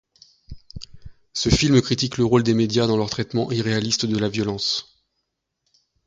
Ce film critique le rôle des médias dans leur traitement irréaliste de la violence.